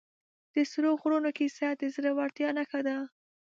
د سرو غرونو کیسه د زړه ورتیا نښه ده.